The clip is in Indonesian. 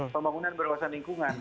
pembangunan berawasan lingkungan